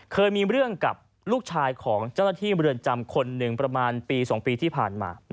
เคยมีเรื่องกับลูกชายของเจ้าหน้าที่เมืองจำคนหนึ่งประมาณปี๒ปีที่ผ่านมา